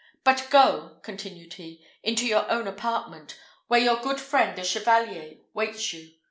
But go," continued he, "into your own apartment, where your good friend the Chevalier waits you.